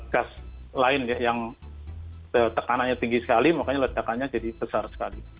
gas lain yang tekanannya tinggi sekali makanya ledakannya jadi besar sekali